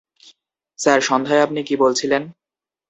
Sir, সন্ধ্যায় আপনি কী বলছিলেন?